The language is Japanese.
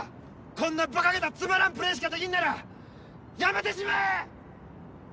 こんなバカげたつまらんプレーしかできんならやめてしまえ！